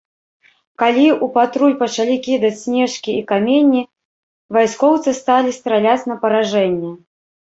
Калі ў патруль пачалі кідаць снежкі і каменні, вайскоўцы сталі страляць на паражэнне.